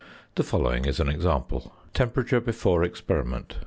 The following is an example: Temperature before experiment 67.